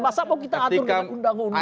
masa mau kita atur dengan undang undang